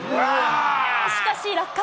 しかし落下。